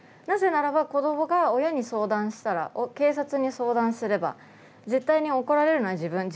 なぜならば子どもが親に相談したら警察に相談すれば絶対に怒られるのは自分。